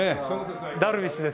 ダルビッシュです。